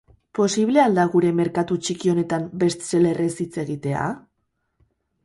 Posible al da gure merkatu txiki honetan best-seller-ez hitz egitea?